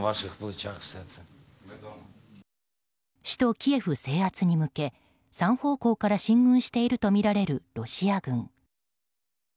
首都キエフ制圧に向け３方向から進軍しているとみられるロシア軍。